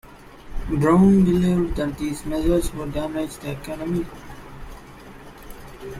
Brown believed that these measures would damage the economy.